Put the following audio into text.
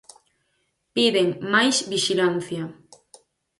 Piden máis vixilancia.